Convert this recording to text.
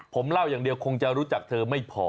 ผมเล่าอย่างเดียวคงจะรู้จักเธอไม่พอ